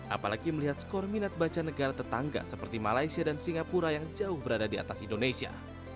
apalagi melihat skor minat baca negara tetangga seperti malaysia dan singapura yang jauh berada di atas indonesia